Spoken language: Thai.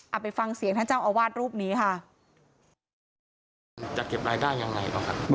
ไปฟังเสียงท่านเจ้าอาวาสรูปนี้ค่ะจะเก็บรายได้ยังไงบ้างครับ